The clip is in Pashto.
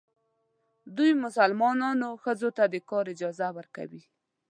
دوی مسلمانان ښځو ته د کار اجازه ورکوي.